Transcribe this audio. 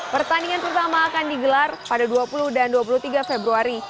pertandingan pertama akan digelar pada dua puluh dan dua puluh tiga februari